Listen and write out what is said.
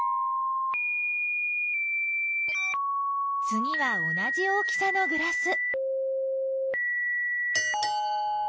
つぎは同じ大きさのグラス。